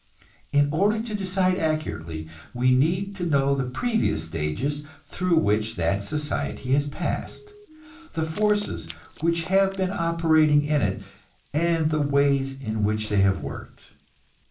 In order to decide accurately, we need to know the previous stages through which that society has passed, the forces which have been operating in it, and the ways in which they have worked.